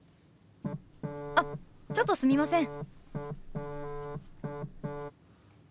あっちょっとすみません。